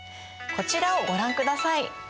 こちらをご覧ください。